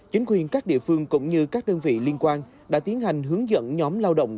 chính quyền các địa phương cũng như các đơn vị liên quan đã tiến hành hướng dẫn nhóm lao động